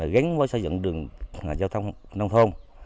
gánh với xây dựng đường giao thông nông thôn